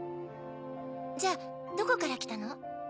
じゃあどこから来たの？